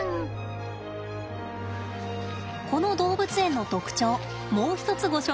この動物園の特徴もう一つご紹介します。